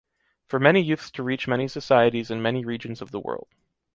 For many youths to reach many societies in many regions of the world.